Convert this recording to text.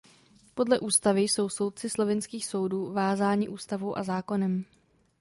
Podle ústavy jsou soudci slovinských soudů vázáni ústavou a zákonem.